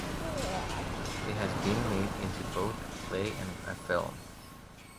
It has been made into both a play and a film.